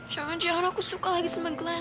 jangan jangan aku suka lagi sama glenn